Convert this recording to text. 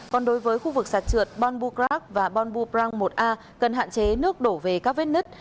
còn đối với khu vực sạt trượt bonbucrác và bonbubrang một a cần hạn chế nước đổ về các vết nứt